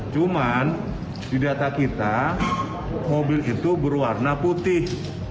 cuman di data kita mobil itu berwarna putih